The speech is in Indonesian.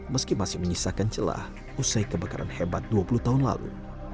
meski masih menyisakan celah usai kebakaran hebat dua puluh tahun lalu